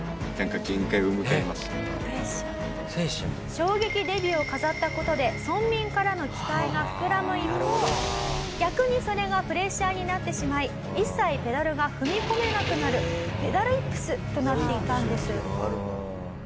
衝撃デビューを飾った事で村民からの期待が膨らむ一方逆にそれがプレッシャーになってしまい一切ペダルが踏み込めなくなるペダルイップスとなっていたんです。